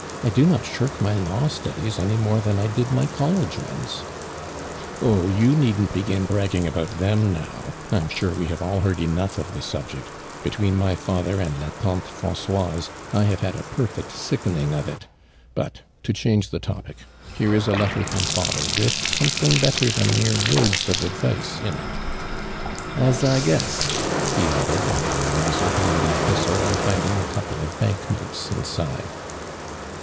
" I do not shirk my law studies any more than 1 did my collegt> ones." " Oh, you needn't begin bragging about them now! I'm sure wo have all heard enough of the subject. Between my father and la tantc Francoise, I have had a perfect sickening of it. But to change the topic — here is a letter from father with something better than mere vvords of advice in it. A* I guessed !'" he adae(^ on Armand's open ing the epistle and Ending a couple of bank notes inside.